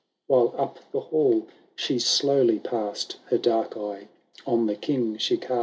While up the hall she slowly passed. Her dark eye on the ELing she cast.